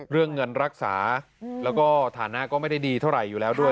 เรื่องเงินรักษาแล้วก็ฐานะก็ไม่ได้ดีเท่าไหร่อยู่แล้วด้วย